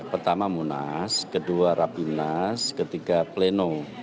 pertama munas kedua rabi munas ketiga pleno